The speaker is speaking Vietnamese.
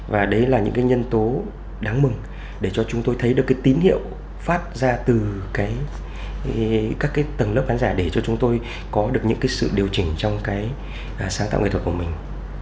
và đấy là những cái nhân tố đáng mừng để cho chúng tôi thấy được cái tín hiệu phát ra từ các cái tầng lớp khán giả để cho chúng tôi có được những cái sự điều chỉnh trong cái sáng tạo nghệ thuật của mình